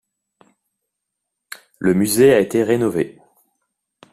Le musée a été rénové.